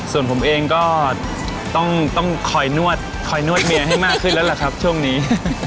ส่วนผมเองก็ต้องคอยนวดคอยนวดเบียร์ให้มากขึ้นแล้วล่ะครับช่วงนี้